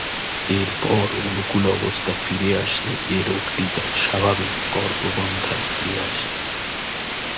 এরপর অনুকূল অবস্থা ফিরে আসলে এ রোগটি তার স্বাভাবিক কর্মপন্থায় ফিরে আসে।